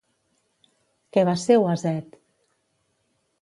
Què va ser Uaset?